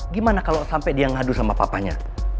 gimana kalau sampai dia ngadu sama papanya